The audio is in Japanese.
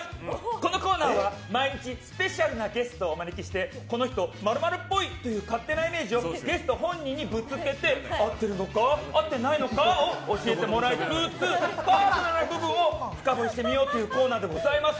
このコーナーは毎日スペシャルなゲストをお招きしてこの人○○っぽいという勝手なイメージをゲスト本人にぶつけて合ってるのか合ってないのかを教えてもらいつつパーソナルな部分を深掘りしてみようというコーナーでございます。